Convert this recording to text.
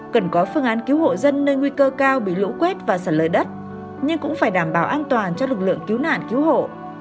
cần có phương án cứu hộ dân nơi nguy cơ cao bị lũ quét và sạt lở đất nhưng cũng phải đảm bảo an toàn cho lực lượng cứu nạn cứu hộ